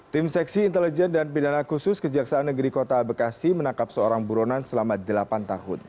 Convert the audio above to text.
tim seksi intelijen dan pidana khusus kejaksaan negeri kota bekasi menangkap seorang buronan selama delapan tahun